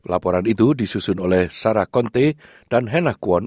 laporan itu disusun oleh sarah konte dan henna kwon